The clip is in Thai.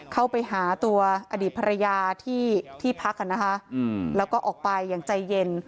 เข้าไปหาตัวอดีตภรรยาที่พักแล้วก็ออกไปอย่างใจเย็น